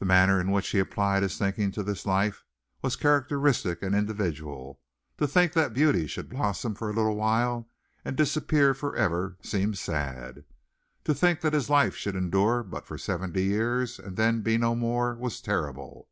The manner in which he applied this thinking to his life was characteristic and individual. To think that beauty should blossom for a little while and disappear for ever seemed sad. To think that his life should endure but for seventy years and then be no more was terrible.